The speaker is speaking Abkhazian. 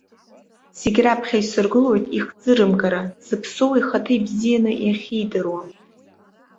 Зегь раԥхьа исыргылоит ихӡырымгара, дзыԥсоу ихаҭа ибзианы иахьидыруа.